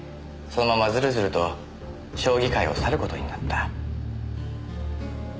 そのままずるずると将棋界を去る事になった。